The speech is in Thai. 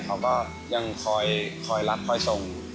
เขาก็ยังคอยรับคอยส่ง